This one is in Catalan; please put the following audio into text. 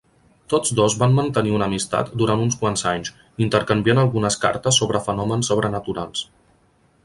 Tots dos van mantenir una amistat durant uns quants anys, intercanviant algunes cartes sobre fenòmens sobrenaturals.